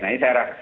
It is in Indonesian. nah ini saya rasa